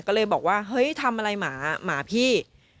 ก็เลยบอกว่าเฮ้ยทำอะไรหมาหมาพี่